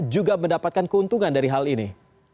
juga mendapatkan keuntungan dari hal ini